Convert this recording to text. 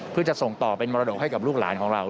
เพื่อจะส่งต่อเป็นมรดกให้กับลูกหลานของเรา